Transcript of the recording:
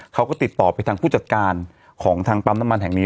เขาก็ติดต่อไปทางผู้จัดการของทางปั๊มน้ำมันแห่งนี้